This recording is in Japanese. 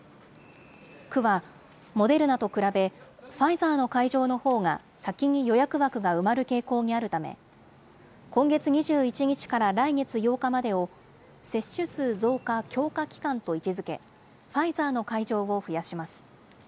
区は、モデルナと比べ、ファイザーの会場のほうが先に予約枠が埋まる傾向にあるため、今月２１日から来月８日までを、接種数増加強化期間と位置づけ、ファイザーの会場を増やします。